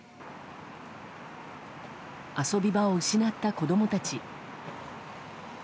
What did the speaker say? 遊び場を失った子供たち。